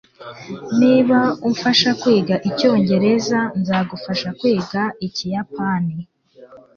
niba umfasha kwiga icyongereza, nzagufasha kwiga ikiyapani